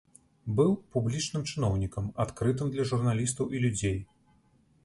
Быў публічным чыноўнікам, адкрытым для журналістаў і людзей.